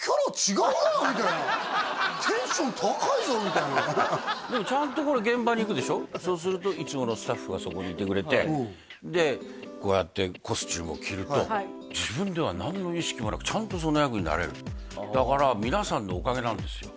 みたいなテンション高いぞみたいなでもちゃんと現場に行くでしょそうするといつものスタッフがそこにいてくれてでこうやってコスチュームを着ると自分では何の意識もなくだから皆さんのおかげなんですよ